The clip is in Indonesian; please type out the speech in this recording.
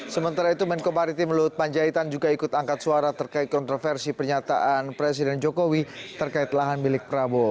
sementara itu menko maritim luhut panjaitan juga ikut angkat suara terkait kontroversi pernyataan presiden jokowi terkait lahan milik prabowo